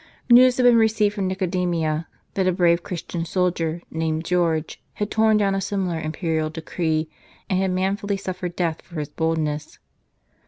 News had been received from Nicodemia, that a brave Christian soldier, named George, had torn down a simi lar imperial degree, and had manfully suffered death for his boldness.